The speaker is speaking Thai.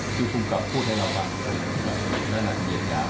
ที่ครูกรับพูดให้เราป่ะระดับเย็นยาว